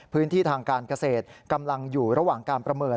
พื้นที่ทางการเกษตรกำลังอยู่ระหว่างการประเมิน